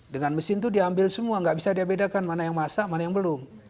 dengan mesin itu diambil semua nggak bisa dia bedakan mana yang masak mana yang belum